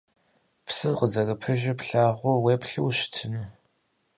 Псыр къызэрыпыжыр плъагъуу, уеплъу ущытыну?